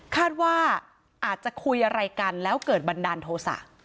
คาดว่าอาจจะคุยอะไรกันแล้วเกิดบันดาลโทษะ